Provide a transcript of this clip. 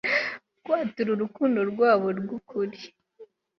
Kwatura urukundo rwabo rwukuri